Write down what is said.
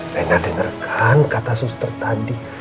pernah dengarkan kata suster tadi